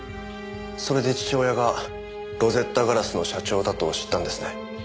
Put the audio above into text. それで父親がロゼッタ硝子の社長だと知ったんですね？